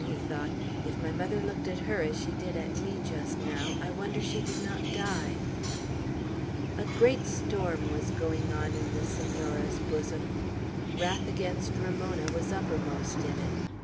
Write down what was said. he thought. "If my mother looked at her as she did at me just now, I wonder she did not die." A great storm was going on in the Senora's bosom. Wrath against Ramona was uppermost in it.